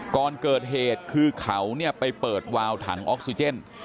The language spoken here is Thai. ก่อนเกิดเหตุคือเขาไปเปิดวาวถังออกซิเจน